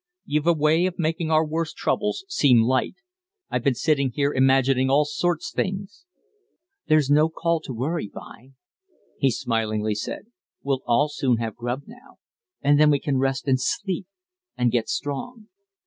You've a way of making our worst troubles seem light. I've been sitting here imagining all sorts things." "There's no call to worry, by," he smilingly said; "we'll soon have grub now, and then we can rest and sleep and get strong."